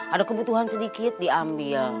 ada kebutuhan sedikit diambil